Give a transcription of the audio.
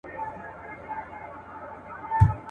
دا نوي شعرونه، چي زه وایم خدای دي !.